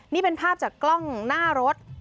นี่เป็นภาพจากกล้องหน้ารถ